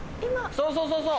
そうそうそうそう。